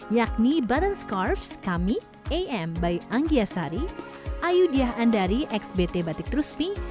yakni button scarves kami am by anggia sari ayudhya andari xbt batik truspi